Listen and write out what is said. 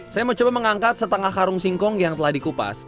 saya mau coba mengangkat setengah karung singkong yang telah dikupas